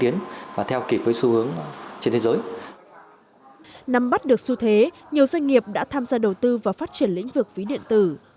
nắm bắt được xu thế nhiều doanh nghiệp đã tham gia đầu tư vào phát triển lĩnh vực ví điện tử